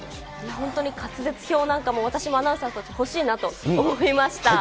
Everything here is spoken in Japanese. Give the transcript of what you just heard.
本当に滑舌表なんかも、私もアナウンサーとして欲しいなと思いました。